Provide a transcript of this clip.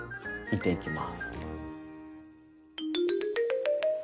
煮ていきます。